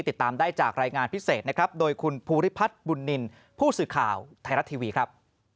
ติดตามได้จากรายงานพิเศษนะครับโดยคุณภูริพัฒน์บุญนินผู้สื่อข่าวไทยรัฐทีวีครับ